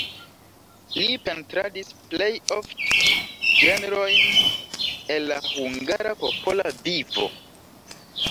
Li pentradis plej ofte ĝenrojn el la hungara popola vivo.